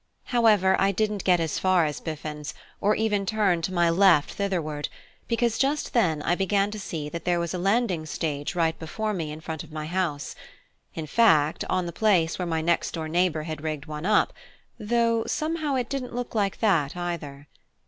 However, I didn't get as far as Biffin's, or even turn to my left thitherward, because just then I began to see that there was a landing stage right before me in front of my house: in fact, on the place where my next door neighbour had rigged one up, though somehow it didn't look like that either.